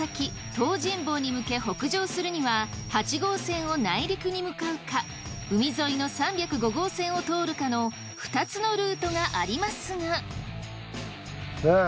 東尋坊に向け北上するには８号線を内陸に向かうか海沿いの３０５号線を通るかの２つのルートがありますが。